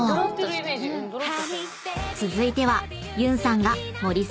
［続いては］